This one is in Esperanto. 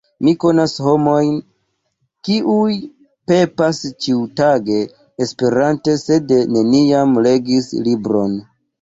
Mi konas homojn, kiuj pepas ĉiutage esperante sed neniam legis libron.